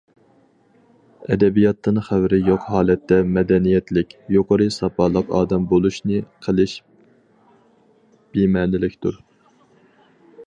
ئەدەبىياتتىن خەۋىرى يوق ھالەتتە مەدەنىيەتلىك، يۇقىرى ساپالىق ئادەم بولۇشنى قىلىش بىمەنىلىكتۇر.